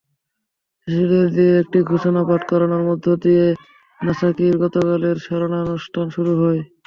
শিশুদের দিয়ে একটি ঘোষণা পাঠ করানোর মধ্য দিয়ে নাগাসাকির গতকালের স্মরণানুষ্ঠান শুরু হয়।